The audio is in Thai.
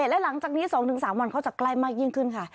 และหลังจากนี้๒๓วันเขาจะใกล้มากยิ่งขึ้นค่ะ